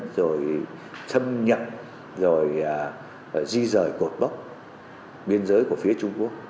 rồi xâm nhận rồi di rời cột bóc biên giới của phía trung quốc